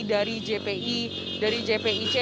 dari jpi dari jpic